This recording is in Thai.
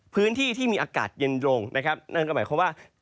พื้นที่ที่มีอากาศเย็นลงนะครับนั่นก็หมายความว่า